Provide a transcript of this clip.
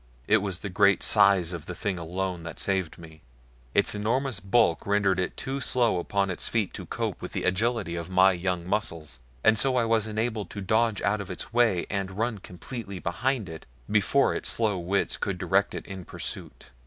It was the great size of the thing alone that saved me. Its enormous bulk rendered it too slow upon its feet to cope with the agility of my young muscles, and so I was enabled to dodge out of its way and run completely behind it before its slow wits could direct it in pursuit.